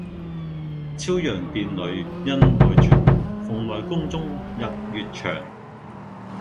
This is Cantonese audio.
昭陽殿里恩愛絕，蓬萊宮中日月長。